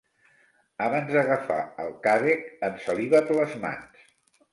Abans d'agafar el càvec ensaliva't les mans.